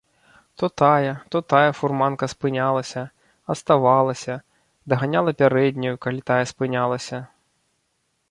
То тая, то тая фурманка спынялася, аставалася, даганяла пярэднюю, калі тая спынялася.